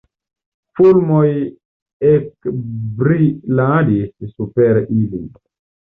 Fulmoj ekbriladis super ili.